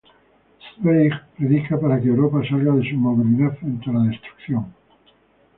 Zweig predica para que Europa salga de su inmovilidad frente a la destrucción.